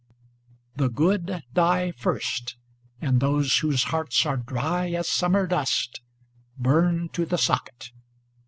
' The good die first. And those whose hearts are dry as summer dust Burn to the socket